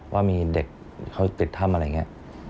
ว่ามีเด็กเขาติดถ้ำอะไรอย่างนี้